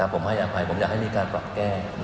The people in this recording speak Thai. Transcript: ผมให้อภัยผมอยากให้มีการปรับแก้